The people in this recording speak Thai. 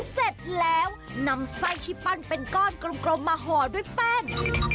เสร็จแล้วนำไส้ที่ปั้นเป็นก้อนกลมมาห่อด้วยแป้ง